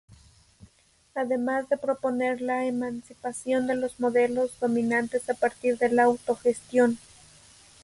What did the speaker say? Además de proponer la emancipación de los modelos dominantes a partir de la autogestión.